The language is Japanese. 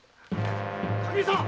垣見さん！